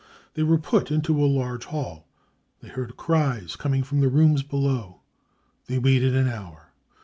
They were put into the large hall. They heard cries coming fc from the rooms beJow. They waited an hour.